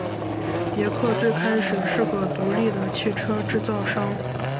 别克最开始是个独立的汽车制造商。